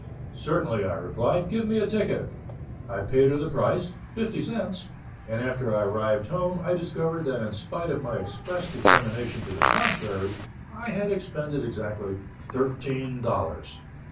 "Certainly," I replied; "give me a ticket." I paid her the price (fifty cents), and after I arrived home, I discovered that in spite of my expressed determination to the contrary, I had expended exactly "thirteen" dollars!